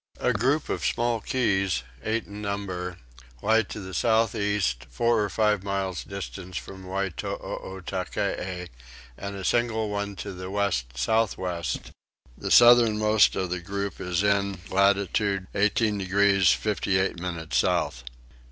A group of small keys, eight in number, lie to the south east, four or five miles distant from Wytootackee and a single one to the west south west; the southernmost of the group is in latitude 18 degrees 58 minutes south.